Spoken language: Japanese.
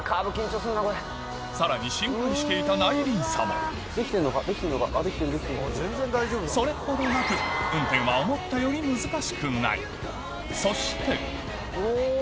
さらに心配していた内輪差もそれほどなく運転は思ったより難しくないそしておぉ！